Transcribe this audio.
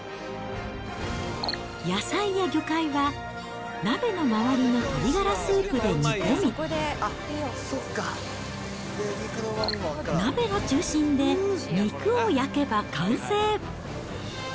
野菜や魚介は、鍋の周りの鶏ガラスープで煮込み、鍋の中心で肉を焼けば完成。